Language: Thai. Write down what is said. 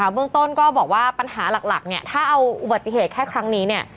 เบื้องต้นฯก็บอกว่าปัญหาหลักถ้าเอาอุบัติเหตุแค่ครั้งนี้